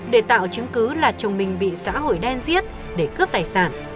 để tạo chứng cứ là chồng mình bị xã hội đen giết để cướp tài sản